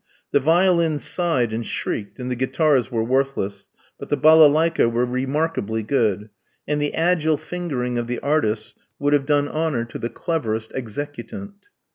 The violins sighed and shrieked, and the guitars were worthless, but the balalaiki were remarkably good; and the agile fingering of the artists would have done honour to the cleverest executant.